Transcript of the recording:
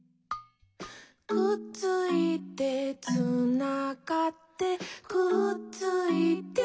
「くっついて」「つながって」「くっついて」